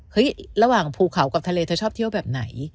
ระหว่างภูเขากับทะเลเธอชอบเที่ยวแบบไหน